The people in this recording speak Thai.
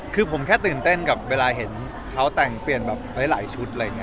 คือผมแค่ตื่นเต้นกับเวลาเกี่ยวเขาแต่งเปลี่ยนหลายชุด